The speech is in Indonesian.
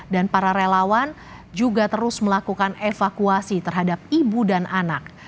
dan para relawan juga terus melakukan evakuasi terhadap ibu dan anak